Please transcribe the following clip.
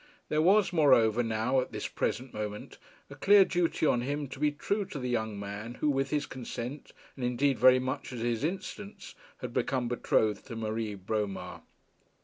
There was, moreover, now, at this present moment, a clear duty on him to be true to the young man who with his consent, and indeed very much at his instance, had become betrothed to Marie Bromar.